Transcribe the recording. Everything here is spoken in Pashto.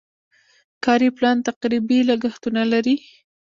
کاري پلان تقریبي لګښتونه لري.